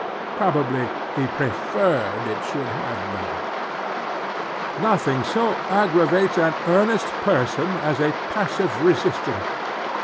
Probably he preferred it should have none. Nothing so aggravates an earnest person as a passive resistance.